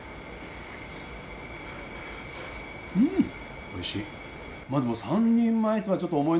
うん、おいしい！